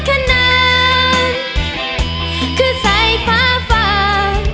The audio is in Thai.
คือใส่ฟ้าฟ้าคือใส่ฟ้าฟ้า